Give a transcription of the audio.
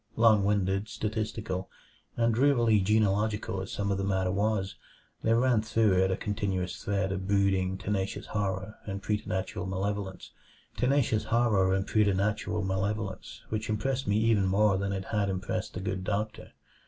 Long winded, statistical, and drearily genealogical as some of the matter was, there ran through it a continuous thread of brooding, tenacious horror and preternatural malevolence which impressed me even more than it had impressed the good doctor.